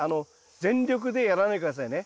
全力でやらないで下さいね。